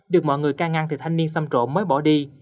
được mọi người ca ngang thì thanh niên xâm trổ mới bỏ đi